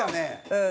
うん。